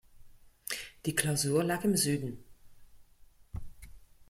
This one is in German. Die Klausur lag im Süden.